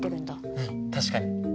うん確かに。